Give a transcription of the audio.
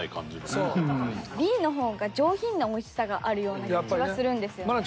Ｂの方が上品なおいしさがあるような気はするんですよね。